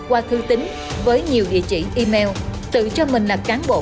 qua thư tính với nhiều địa chỉ email tự cho mình là cán bộ